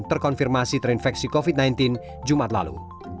terkonfirmasi terinfeksi covid sembilan belas jumat lalu